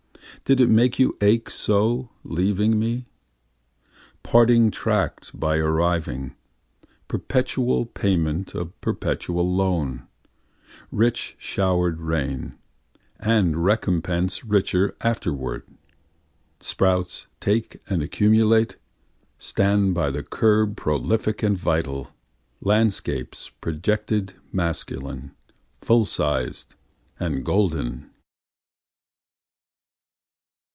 Did it make you ache so, leaving me? Parting trackâd by arriving, perpetual payment of perpetual loan, Rich showering rain, and recompense richer afterward. Sprouts take and accumulate, stand by the curb prolific and vital, Landscapes projected masculine, full sized and golden.